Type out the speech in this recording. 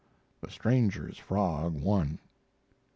The stranger's frog won.